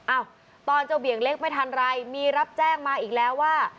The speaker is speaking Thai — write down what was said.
อ้าวตอนเจ้าเบี่ยงเล็กไม่ทันไรมีรับแจ้งมาอีกแล้วว่า